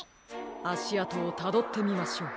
あしあとをたどってみましょう。